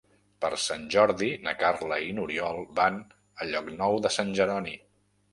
Per Sant Jordi na Carla i n'Oriol van a Llocnou de Sant Jeroni.